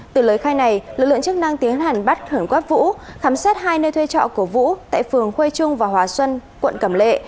từ lời khai này lực lượng chức năng tiến hành bắt khẩn quát vũ khám xét hai nơi thuê trọ của vũ tại phường khuê trung và hòa xuân quận cẩm lệ